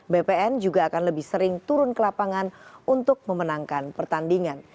bpn juga akan lebih sering turun ke lapangan untuk memenangkan pertandingan